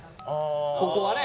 ここはね